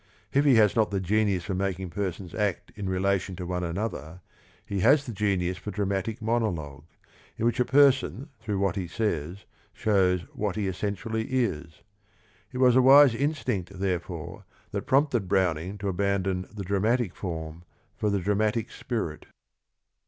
If he has not the genius for making persons act in rela tion to one another, he has the genius for dra matic monologue, in which a person through what he says shows what he essentially is. It was a wise instinct, therefore, that prompted Browning to abandon the dramatic form for the dramatic spirit.